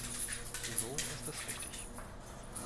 So ist es richtig.